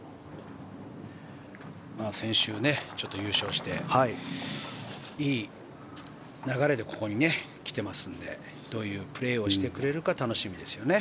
先週、優勝していい流れでここに来てますのでどういうプレーをしてくれるか楽しみですよね。